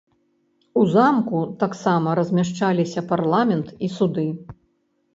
У замку таксама размяшчаліся парламент і суды.